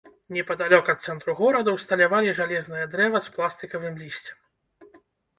Непадалёк ад цэнтру горада ўсталявалі жалезнае дрэва з пластыкавым лісцем.